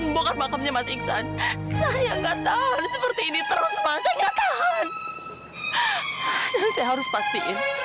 membuka makamnya mas iksan saya nggak tahan seperti ini terus mas saya nggak tahan dan saya harus pastiin